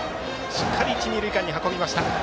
しっかり一、二塁間に運びました。